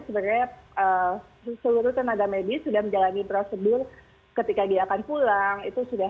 sebenarnya seluruh tenaga medis sudah menjalani prosedur ketika dia akan pulang itu sudah